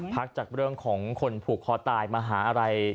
พักจากเรื่องของคนผูกคอตายมาหาอะไร